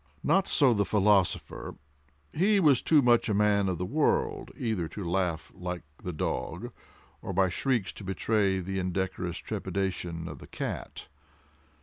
Not so the philosopher; he was too much a man of the world either to laugh like the dog, or by shrieks to betray the indecorous trepidation of the cat.